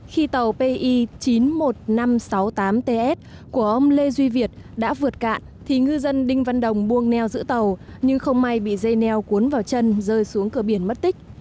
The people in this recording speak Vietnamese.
khi tàu pi chín mươi một nghìn năm trăm sáu mươi tám ts của ông lê duy việt đã vượt cạn thì ngư dân đinh văn đồng buông neo giữ tàu nhưng không may bị dây neo cuốn vào chân rơi xuống cửa biển mất tích